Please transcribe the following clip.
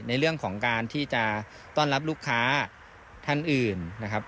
ในเรื่องของการที่จะต้อนรับลูกค้าท่านอื่นนะครับ